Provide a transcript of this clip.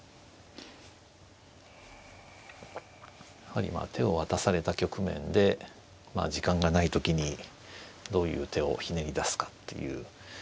やはりまあ手を渡された局面で時間がない時にどういう手をひねり出すかっていう。